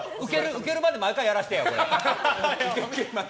ウケるまで毎回やらせてよ。